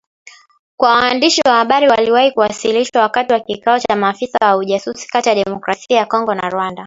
kwa waandishi wa habari waliwahi kuwasilishwa wakati wa kikao cha maafisa wa ujasusi kati ya Demokrasia ya Kongo na Rwanda